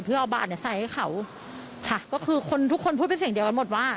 เพื่อเอาบาทเนี้ยใส่ให้เขาค่ะก็คือคนทุกคนพูดเป็นเสียงเดียวกันหมดว่า